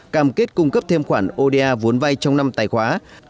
cam kết cung cấp thêm khoản oda vốn vay trong năm tài khoá